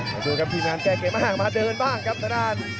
มาดูครับทีมงานแก้เกมมากมาเดินบ้างครับทางด้าน